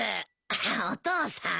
あっお父さん？